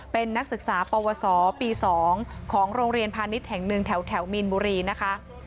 เป็นนักศึกษาปวสปี๒ของโรงเรียนพาณิชย์แห่งหนึ่งแถวมีนบุรีนะคะ